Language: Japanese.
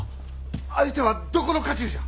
相手はどこの家中じゃ！